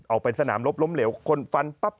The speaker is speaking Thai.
ไปสนามลบล้มเหลวคนฟันปั๊บ